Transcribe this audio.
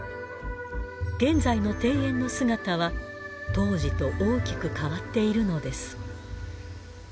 現在の庭園の姿は当時と大きく変わっているのです。